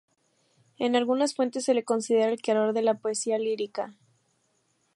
En algunas fuentes se le considera el creador de la poesía lírica.